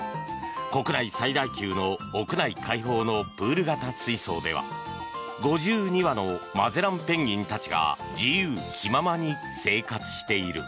国内最大級の屋内開放のプール型水槽では５２羽のマゼランペンギンたちが自由気ままに生活している。